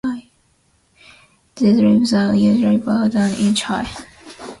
These ribs are usually about an inch high.